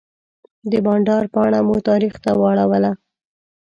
د بانډار پاڼه مو تاریخ ته واړوله.